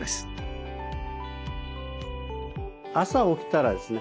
朝起きたらですね